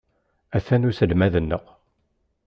Atan uselmad-nneɣ.